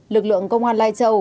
lực lượng công an lai trở